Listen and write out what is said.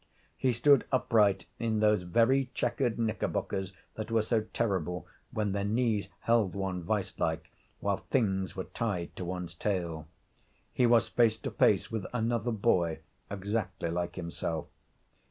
He stood upright in those very chequered knickerbockers that were so terrible when their knees held one vice like, while things were tied to one's tail. He was face to face with another boy, exactly like himself.